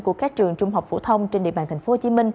của các trường trung học phổ thông trên địa bàn tp hcm